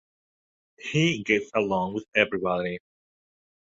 He gets along with everybody.